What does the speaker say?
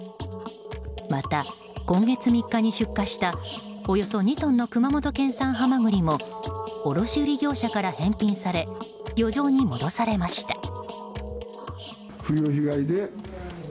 また今月３日に出荷したおよそ２トンの熊本県産ハマグリも卸売業者から返品され漁場に戻されました。